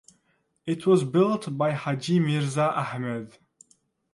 It was built by Haji Mirza Ahmed.